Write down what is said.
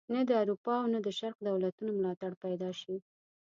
نه د اروپا او نه د شرق دولتونو ملاتړ پیدا شي.